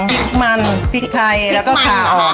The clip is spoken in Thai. พริกมันพริกไพรเคาะ